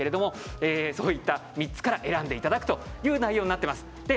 そういった３つから選んでいただく内容になっています。